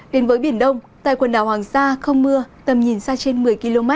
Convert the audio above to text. đến với biển đông tại quần đảo hoàng sa không mưa tầm nhìn xa trên một mươi km